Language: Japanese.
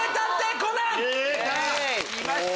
きました！